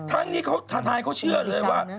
ทั้งนี้เขาทายเขาเชื่อเลยว่า